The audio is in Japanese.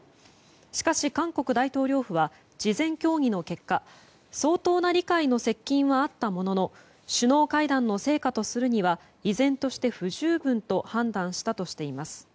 しかし、韓国大統領府は事前協議の結果相当な理解の接近はあったものの首脳会談の成果とするには依然として不十分と判断したとしています。